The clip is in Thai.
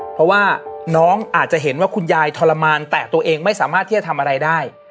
เพราะว่าน้องอาจจะเห็นว่าคุณยายทรมานแต่ตัวเองไม่สามารถที่จะทำอะไรได้